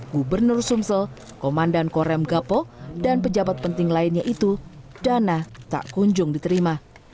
gubernur sumsel komandan korem gapo dan pejabat penting lainnya itu dana tak kunjung diterima